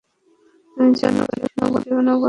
তুমি জানো এই শহর জীবনেও বদলাবে না।